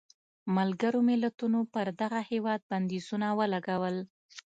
ملګرو ملتونو پر دغه هېواد بندیزونه ولګول.